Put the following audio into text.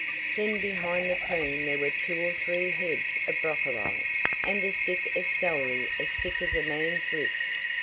Then behind the cream there were two or three heads of broccoli, and a stick of celery as thick as a man's wrist.